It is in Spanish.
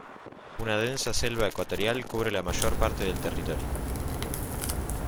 Una densa selva ecuatorial cubre la mayor parte del territorio.